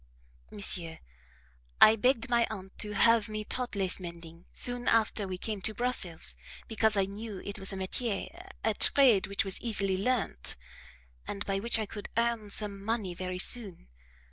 "Monsieur, I begged my aunt to have me taught lace mending soon after we came to Brussels, because I knew it was a METIER, a trade which was easily learnt, and by which I could earn some money very soon.